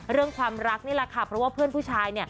เรื่องความรักนี่แหละค่ะเพราะว่าเพื่อนผู้ชาย